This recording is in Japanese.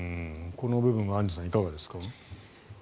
この部分はアンジュさんはいかがですか？